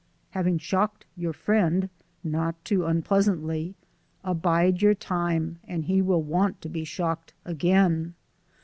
Having shocked your friend (not too unpleasantly), abide your time, and he will want to be shocked again.